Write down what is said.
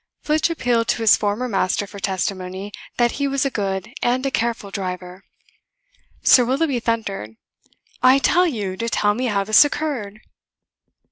Flitch appealed to his former master for testimony that he was a good and a careful driver. Sir Willoughby thundered: "I tell you to tell me how this occurred."